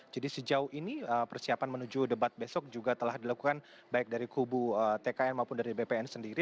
jadi sejauh ini persiapan menuju debat besok juga telah dilakukan baik dari kubu tkn maupun dari bpn sendiri